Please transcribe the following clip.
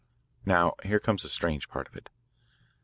"Now, here comes the strange part of it.